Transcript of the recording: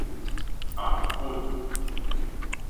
頷頸